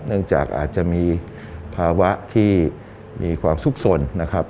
เนื่องจากอาจจะมีภาวะที่มีความสุขสนนะครับ